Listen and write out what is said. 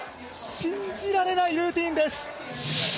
信じられないルーティンです。